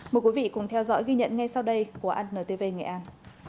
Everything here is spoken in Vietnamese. mời quý vị cùng theo dõi ghi nhận ngay sau đây của antv nghệ an